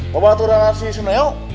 bapak tuh udah ngasih si neng